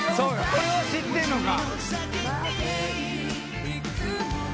「これは知ってんのか」